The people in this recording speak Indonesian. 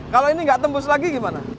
kalau ini tidak tembus lagi bagaimana